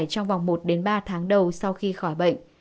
trong vòng một ba tháng đầu sau khi khỏi bệnh